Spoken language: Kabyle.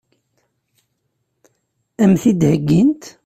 Ad m-t-id-heggint?